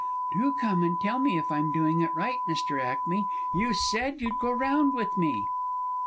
Do come and tell me if I'm doing it right, Mr. Ackmey. You said you'd go round with me!